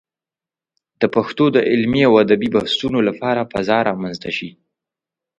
د پښتو د علمي او ادبي بحثونو لپاره فضا رامنځته شي.